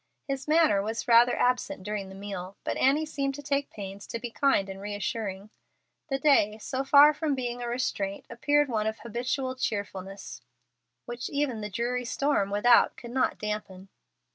His manner was rather absent during the meal, but Annie seemed to take pains to be kind and reassuring. The day, so far from being a restraint, appeared one of habitual cheerfulness, which even the dreary storm without could not dampen.